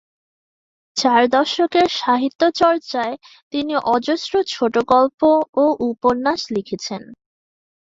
চার দশকের সাহিত্যচর্চ্চায় তিনি অজস্র ছোটগল্প ও উপন্যাস লিখেছেন।